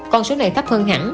còn số này thấp hơn hẳn